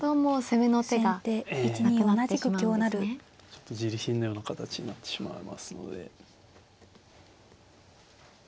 ちょっとじり貧のような形になってしまいますので。